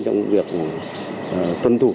trong việc tuân thủ